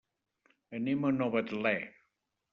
Anem a Novetlè.